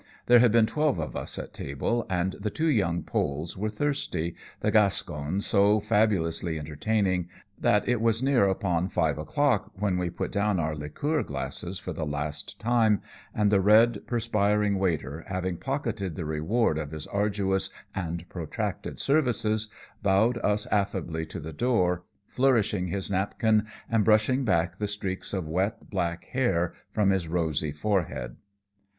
There had been twelve of us at table, and the two young Poles were thirsty, the Gascon so fabulously entertaining, that it was near upon five o'clock when we put down our liqueur glasses for the last time, and the red, perspiring waiter, having pocketed the reward of his arduous and protracted services, bowed us affably to the door, flourishing his napkin and brushing back the streaks of wet, black hair from his rosy forehead.